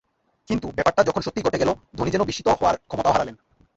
কিন্তু ব্যাপারটা যখন সত্যিই ঘটে গেল, ধোনি যেন বিস্মিত হওয়ার ক্ষমতাও হারালেন।